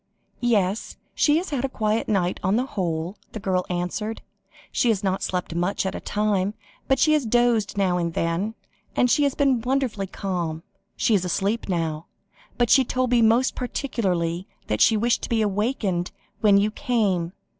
"Yes, she has had a quiet night on the whole," the girl answered; "she has not slept much at a time, but she has dozed now and then, and she has been wonderfully calm. She is asleep now, but she told me most particularly that she wished to be awakened when you came.